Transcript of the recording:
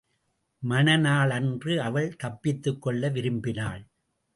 மண நாள் அன்று அவள் தப்பித்துக் கொள்ள விரும்பினாள்.